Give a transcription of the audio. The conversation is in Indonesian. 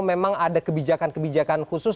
memang ada kebijakan kebijakan khusus